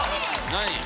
何？